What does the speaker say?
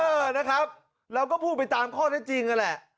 เออนะครับเราก็พูดไปตามข้อได้จริงนั่นแหละ